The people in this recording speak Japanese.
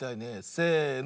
せの。